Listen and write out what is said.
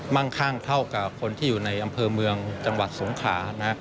ั่งข้างเท่ากับคนที่อยู่ในอำเภอเมืองจังหวัดสงขานะ